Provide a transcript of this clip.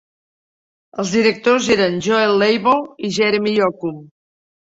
Els directors eren Joel Leibow i Jeremy Yocum.